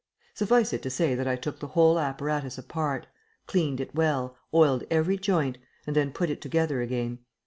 Suffice it to say that I took the whole apparatus apart, cleaned it well, oiled every joint, and then put it together again.